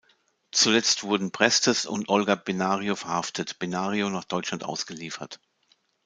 Zuletzt wurden Prestes und Olga Benario verhaftet; Benario nach Deutschland ausgeliefert.